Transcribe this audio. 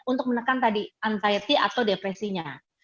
untuk menekan tadi anti atau depresinya